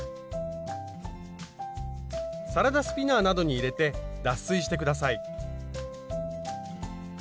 サラダスピナーなどに入れて脱水して下さい。